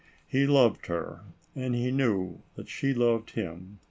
He loved her and knew that she loved him.